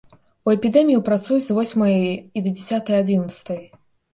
У эпідэмію працуюць з восьмай і да дзясятай-адзінаццатай.